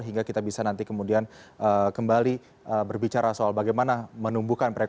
hingga kita bisa nanti kemudian kembali berbicara soal bagaimana menumbuhkan covid sembilan belas